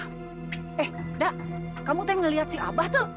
eh ndak kamu t ngelihat si abah tuh